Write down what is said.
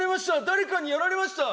誰かにやられました！